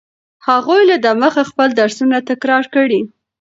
هغوی لا دمخه خپل درسونه تکرار کړي.